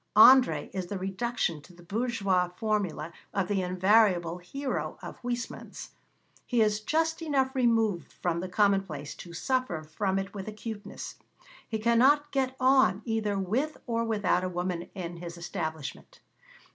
André is the reduction to the bourgeois formula of the invariable hero of Huysmans. He is just enough removed from the commonplace to suffer from it with acuteness. He cannot get on either with or without a woman in his establishment.